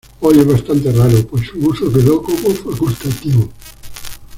Hoy es bastante raro pues su uso quedó como facultativo.